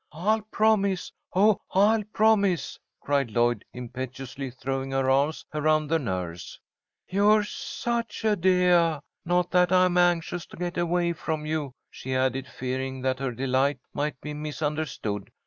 "I'll promise! Oh, I'll promise!" cried Lloyd, impetuously throwing her arms around the nurse. "You're such a deah! Not that I'm anxious to get away from you," she added, fearing that her delight might be misunderstood.